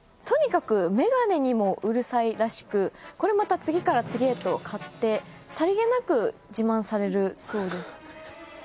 とにかくメガネにもうるさいらしくこれまた次から次へと買ってさりげなく自慢されるそうです。